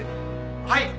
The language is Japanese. はい！